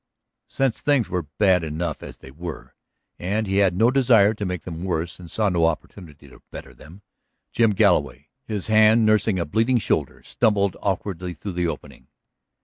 Since things were bad enough as they were, and he had no desire to make them worse and saw no opportunity to better them, Jim Galloway, his hand nursing a bleeding shoulder, stumbled awkwardly through the opening.